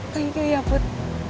thank you ya put